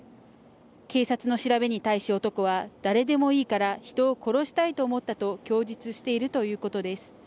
警察の調べに対し男は誰でもいいから人を殺したいと思ったと供述しているということです。